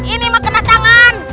ini mah kena ke tangan